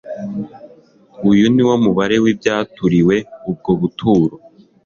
uyu ni wo mubare w'ibyaturiwe ubwo buturo